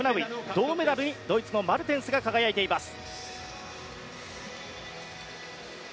銅メダルにドイツのマルテンスが輝いています。